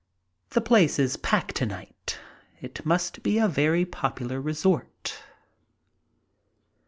The place is packed to night. It must be a very popular resort.